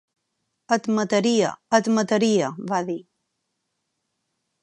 "Et mataria, et mataria!", va dir.